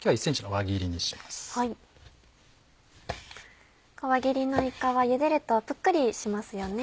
輪切りのいかは茹でるとぷっくりしますよね。